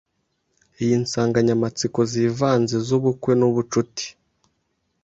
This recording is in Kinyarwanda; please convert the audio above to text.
iyi nsanganyamatsiko zivanze zubukwe nubucuti